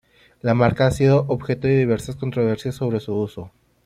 La marca ha sido objeto de diversas controversias sobre su uso.